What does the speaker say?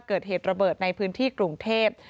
เกิดเหตุระเบิดในพื้นที่กรุงเทพ